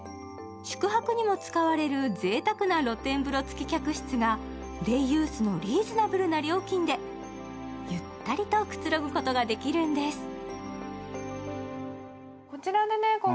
宿泊にも使われるぜいたくな露天風呂付き客室がデイユースのリーズナブルな料金でゆったりとくつろぐことができるんです。